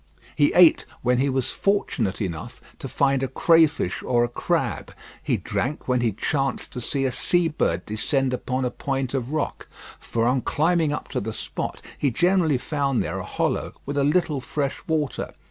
He ate when he was fortunate enough to find a crayfish or a crab; he drank when he chanced to see a sea bird descend upon a point of rock; for on climbing up to the spot he generally found there a hollow with a little fresh water.